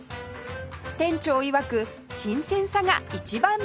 店長いわく新鮮さが一番の売りです